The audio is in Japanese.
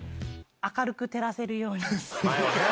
明るく照らせるように。